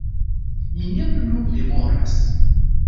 Mi ne plu memoras.